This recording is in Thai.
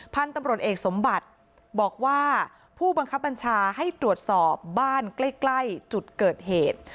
พันธุ์ตำรวจเอกสมบัติบอกว่าผู้บังคับบัญชาให้ตรวจสอบบ้านใกล้จุดเกิดเหตุ